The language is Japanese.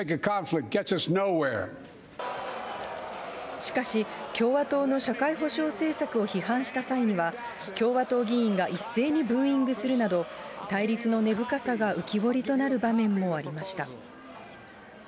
しかし、共和党の社会保障政策を批判した際には、共和党議員が一斉にブーイングするなど、対立の根深さが浮き彫りとなる場面もありました。